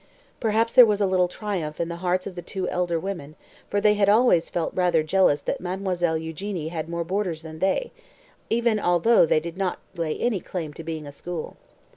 Perhaps there was a little triumph in the hearts of the two elder women, for they had always felt rather jealous that Mademoiselle Eugénie had more boarders than they, even although they did not lay any claim to being a school.